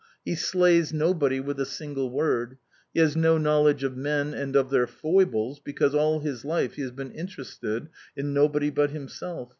He slays nobody with a single word; he has no knowledge of men and of their foibles, because all his life he has been interested in nobody but himself.